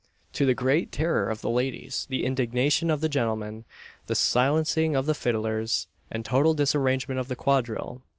to the great terror of the ladies, the indignation of the gentlemen, the silencing of the fiddlers, and total disarrangement of the quadrille!